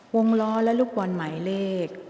วงล้อและลูกบอลหมายเลข